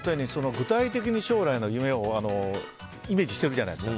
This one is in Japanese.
具体的に将来の夢をイメージしてるじゃないですか。